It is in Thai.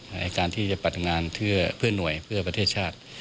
ในการผัดงานเพื่อนหน่วยเพื่อประเทศชาติ